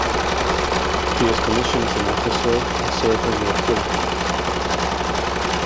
He was commissioned as an officer and served in the artillery.